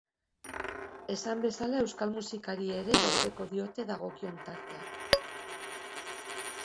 Esan bezala, euskal musikari ere gordeko diote dagokion tartea.